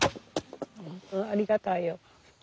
ありがたいよ。